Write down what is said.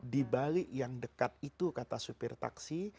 di balik yang dekat itu kata supir taksi